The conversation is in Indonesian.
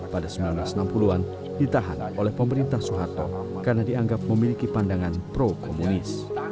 pada seribu sembilan ratus enam puluh an ditahan oleh pemerintah soeharto karena dianggap memiliki pandangan pro komunis